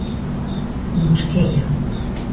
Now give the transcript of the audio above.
Mosqueira.